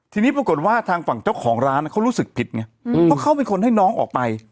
ทีนี้ปรากฏว่าทางฝั่งเจ้าของร้านเขารู้สึกผิดไงเพราะเขาเป็นคนให้น้องออกไป